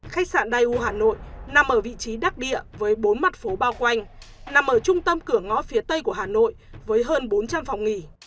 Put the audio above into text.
khách sạn dayu hà nội nằm ở vị trí đắc địa với bốn mặt phố bao quanh nằm ở trung tâm cửa ngõ phía tây của hà nội với hơn bốn trăm linh phòng nghỉ